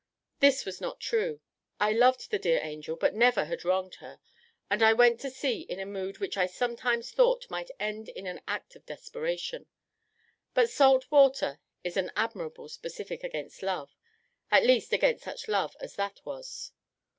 This was not true. I loved the dear angel, but never had wronged her; and I went to sea in a mood which I sometimes thought might end in an act of desperation: but salt water is an admirable specific against love, at least against such love as that was.